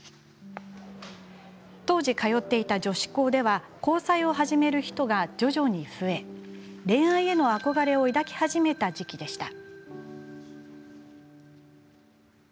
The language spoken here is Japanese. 当時、通っていた女子校では交際を始める人が徐々に増え恋愛への憧れを抱き始めた時期でした。